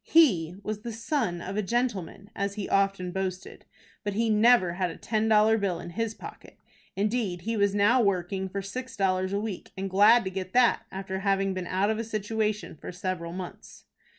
He was the "son of a gentleman," as he often boasted, but he never had a ten dollar bill in his pocket. Indeed, he was now working for six dollars a week, and glad to get that, after having been out of a situation for several months.